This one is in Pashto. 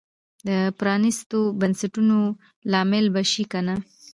د پرانیستو بنسټونو لامل به شي که نه.